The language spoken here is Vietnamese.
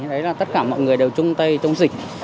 đấy là tất cả mọi người đều chung tay chống dịch